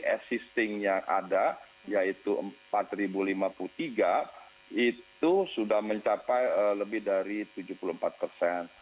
assisting yang ada yaitu empat lima puluh tiga itu sudah mencapai lebih dari tujuh puluh empat persen